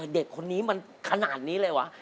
เด็กคนนี้มันขนาดนี้เลยวะ